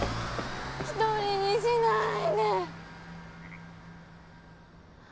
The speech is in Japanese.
１人にしないで。